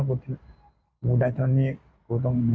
กูได้เท่านี้กูต้องอย่างนี้